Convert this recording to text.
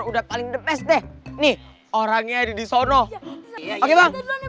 udah paling depes nih orangnya di sana